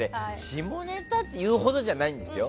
下ネタっていうほどじゃないんですよ。